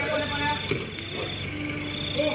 หลวดชุดกล้อง